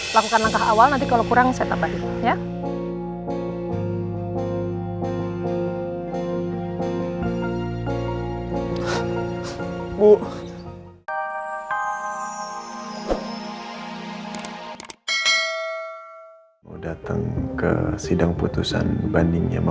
lakukan langkah awal nanti kalau kurang saya tambahin ya